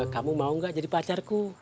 kamu mau gak jadi pacarku